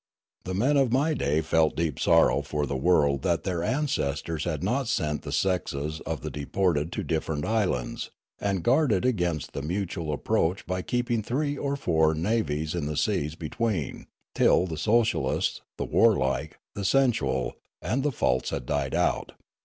The men of my day felt deep sorrow for the world that their ancestors had not sent the sexes of the deported to different islands, and guarded against the mutual approach by keeping three or four navies in the seas between, till the socialists, the warlike, the sensual, and the false had died out.